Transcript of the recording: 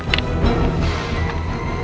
seperti yang saya kesan kasih nih